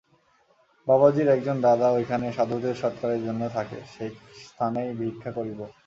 বাবাজীর একজন দাদা ঐখানে সাধুদের সৎকারের জন্য থাকে, সেই স্থানেই ভিক্ষা করিব।